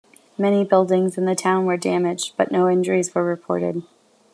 Many buildings in the town were damaged, but no injuries were reported.